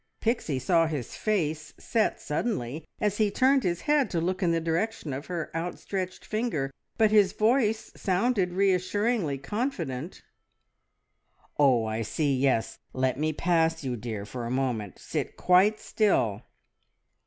Pixie saw his face set suddenly as he turned his head to look in the direction of her outstretched finger, but his voice sounded reassuringly confident. "Oh, I see! Yes. Let me pass you, dear, for a moment. Sit quite still!"